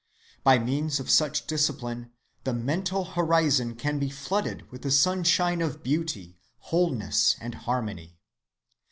By means of such discipline the mental horizon can be flooded with the sunshine of beauty, wholeness, and harmony.